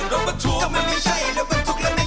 ต้องเลย